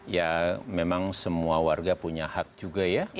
ya memang semua warga punya hak juga ya